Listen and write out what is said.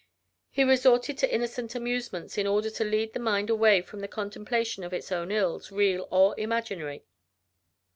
He resorted to innocent amusements in order to lead the mind away from the contemplation of its own ills, real or imaginary.